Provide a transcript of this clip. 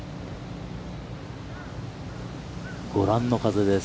ご覧の風です。